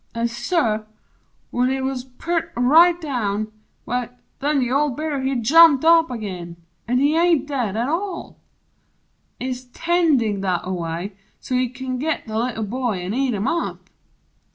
An' sir! when he 'uz purt' nigh down, w'y, nen The old Bear he jumped up ag'in! an' he Ain't dead at all ist 'tendin' thataway, So he kin git the Little Boy an' eat Him up!